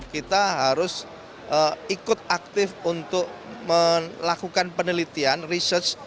kita harus ikut aktif untuk melakukan penelitian research